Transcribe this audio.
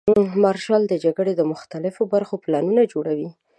مارشال د جګړې د مختلفو برخو پلانونه جوړوي.